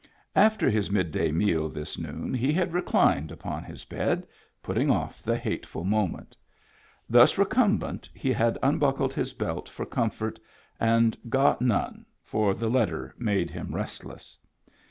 After his midday meal this noon he had reclined upon his bed, putting off the hateful moment Thus re cumbent he had unbuckled his belt for comfort and got none, for the letter made him restless.